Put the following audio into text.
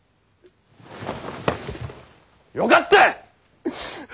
よかった！